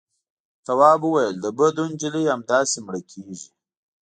تواب وويل: د بدو نجلۍ همداسې مړه کېږي.